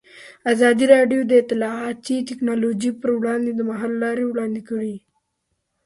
ازادي راډیو د اطلاعاتی تکنالوژي پر وړاندې د حل لارې وړاندې کړي.